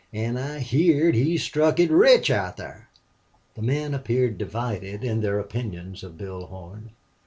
"An' I heerd he struck it rich out thar." The men appeared divided in their opinions of Bill Horn.